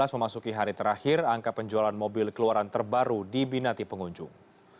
memasuki hari terakhir angka penjualan mobil keluaran terbaru dibinati pengunjung